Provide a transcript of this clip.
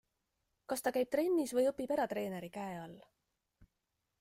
Kas ta käib trennis või õpib eratreeneri käe all?